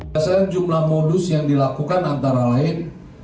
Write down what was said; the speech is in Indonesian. biasanya jumlah modus yang dilakukan antara lain